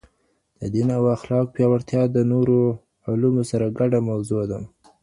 د دین او اخلاقو پياوړتیا د نورو علومو سره ګډه موضوع ده.